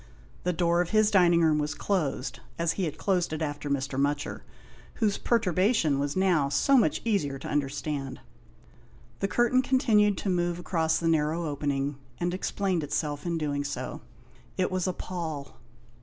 The door of his dining room was closed, as he had closed it after Mr. Mutcher, whose perturbation was now so much easier to understand. The curtain continued to move across the narrow opening, and explained itself in doing so. It was a pall.